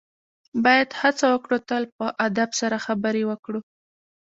باید هڅه وکړو تل په ادب سره خبرې وکړو.